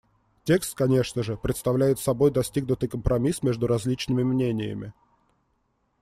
Текст, конечно же, представляет собой достигнутый компромисс между различными мнениями.